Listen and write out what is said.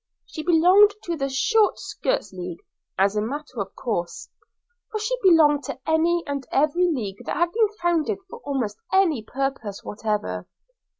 She belonged to the Short Skirts League, as a matter of course; for she belonged to any and every league that had been founded for almost any purpose whatever.